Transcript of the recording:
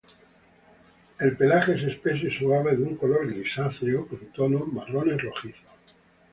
El pelaje es espeso y suave, de un color grisáceo, con tonos marrones-rojizos.